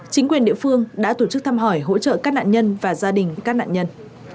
chính quyền địa phương đã tổ chức thăm hỏi hỗ trợ các nạn nhân và gia đình các nạn nhân